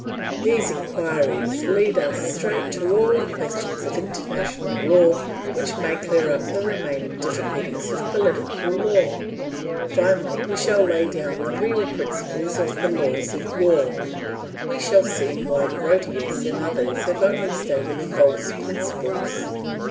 These inquiries lead us straight to all the questions of international law which may clear up the remaining difficulties of political law. Finally we shall lay down the real principles of the laws of war, and we shall see why Grotius and others have only stated false principles.